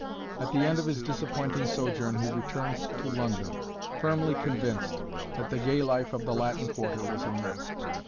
At the end of his disappointing sojourn, he returned to London, firmly convinced that the gay life of the Latin Quarter was a myth.